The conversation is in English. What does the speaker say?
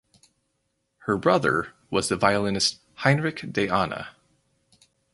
Her brother was the violinist Heinrich de Ahna.